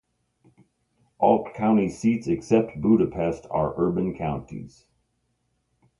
All county seats except Budapest are urban counties.